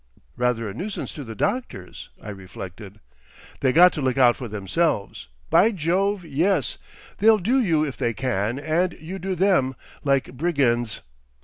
"Rather a nuisance to the doctors," I reflected. "They got to look out for themselves. By Jove, yes. They'll do you if they can, and you do them. Like brigands.